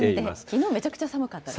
きのうめちゃくちゃ寒かったです。